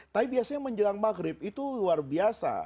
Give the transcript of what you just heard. tapi biasanya menjelang maghrib itu luar biasa